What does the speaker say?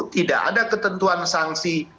tidak ada ketentuan sanksi